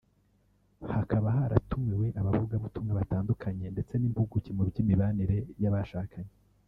hakaba haratumiwe abavugabutumwa batandukanye ndetse n’impuguke mu by’imibanire y’abashakanye